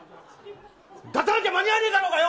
出さなきゃ間に合わねえだろうがよ！